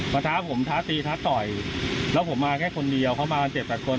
ท้าผมท้าตีท้าต่อยแล้วผมมาแค่คนเดียวเขามากันเจ็ดแปดคน